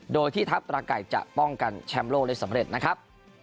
โดยที่ทัพตราไก่จะป้องกันแชมป์โลกได้สำเร็จนะครับ